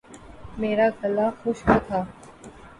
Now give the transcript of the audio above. میرا گلا خشک تھا